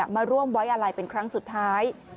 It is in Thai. มาร่วมไว้อะไรเป็นครั้งสุดท้าย